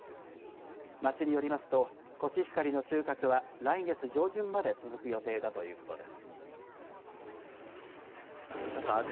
町によりますとコシヒカリの収穫は来月上旬まで続く予定だということです。